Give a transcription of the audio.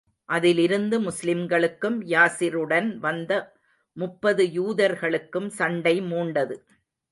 அதிலிருந்து முஸ்லிம்களுக்கும், யாஸிருடன் வந்த முப்பது யூதர்களுக்கும் சண்டை மூண்டது.